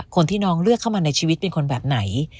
คนที่น้องเลือกเข้ามาในชีวิตเป็นคนแบบไหน